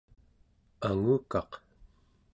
angukaq